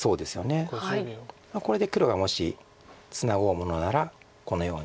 これで黒がもしツナごうものならこのように。